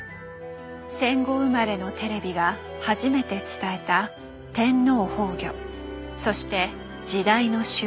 戦後生まれのテレビが初めて伝えた「天皇崩御」そして「時代の終焉」。